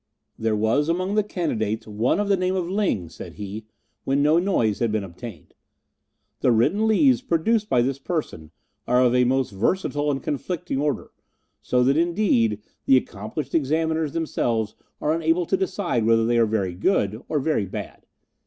"There was among the candidates one of the name of Ling," said he, when no noise had been obtained. "The written leaves produced by this person are of a most versatile and conflicting order, so that, indeed, the accomplished examiners themselves are unable to decide whether they are very good or very bad.